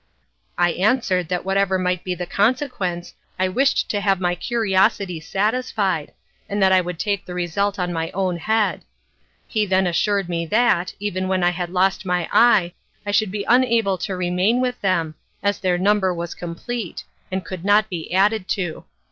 I answered that whatever might be the consequence I wished to have my curiosity satisfied, and that I would take the result on my own head. He then assured me that, even when I had lost my eye, I should be unable to remain with them, as their number was complete, and could not be added to.